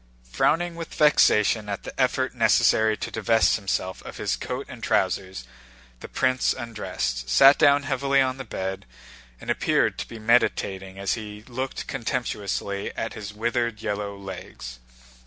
Frowning with vexation at the effort necessary to divest himself of his coat and trousers, the prince undressed, sat down heavily on the bed, and appeared to be meditating as he looked contemptuously at his withered yellow legs.